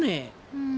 うん。